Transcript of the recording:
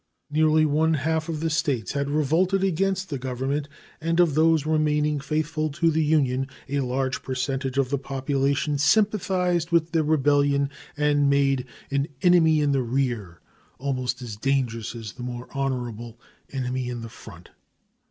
Nearly one half of the States had revolted against the Government, and of those remaining faithful to the Union a large percentage of the population sympathized with the rebellion and made an "enemy in the rear" almost as dangerous as the more honorable enemy in the front.